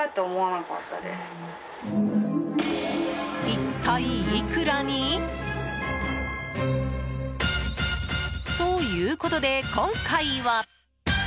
一体いくらに？ということで今回は！